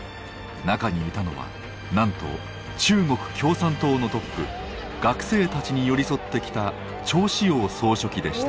中にいたのはなんと中国共産党のトップ学生たちに寄り添ってきた趙紫陽総書記でした。